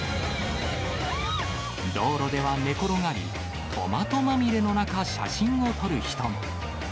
道路では寝転がり、トマトまみれの中、写真を撮る人も。